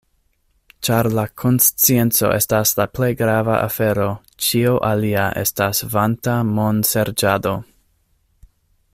Ĉar la konscienco estas la plej grava afero, ĉio alia estas vanta monserĉado.